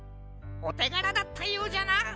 おてがらだったようじゃな。